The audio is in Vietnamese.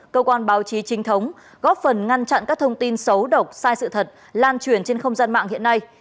cơ quan báo chí trinh thống góp phần ngăn chặn các thông tin xấu độc sai sự thật lan truyền trên không gian mạng hiện nay